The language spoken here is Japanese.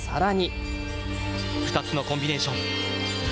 ２つのコンビネーション。